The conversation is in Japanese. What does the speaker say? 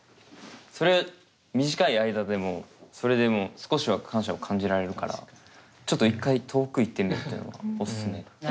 それ短い間でもそれでも少しは感謝を感じられるからちょっと一回遠く行ってみるってのはオススメ。